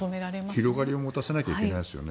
広がりを持たせないといけないですね。